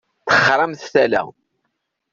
Texṛamt tala.